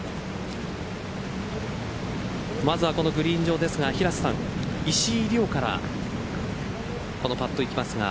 まずは、このグリーン上ですが石井理緒からこのパットいきますが。